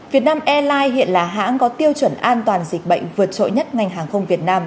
việt nam airlines hiện là hãng có tiêu chuẩn an toàn dịch bệnh vượt trội nhất ngành hàng không việt nam